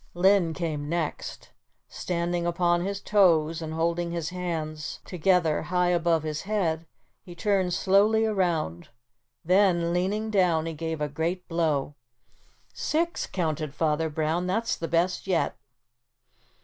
Linn came next. Standing upon his toes and holding his hands together high above his head he turned slowly around, then, leaning down he gave a great blow. "Six," counted Father Brown, "that's the best yet."